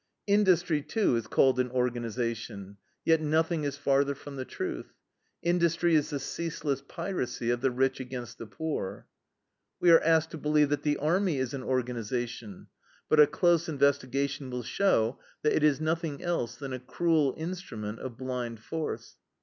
"Industry, too, is called an organization; yet nothing is farther from the truth. Industry is the ceaseless piracy of the rich against the poor. "We are asked to believe that the Army is an organization, but a close investigation will show that it is nothing else than a cruel instrument of blind force.